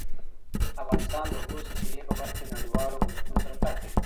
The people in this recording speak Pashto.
افغانستان د د اوبو سرچینې په برخه کې نړیوالو بنسټونو سره کار کوي.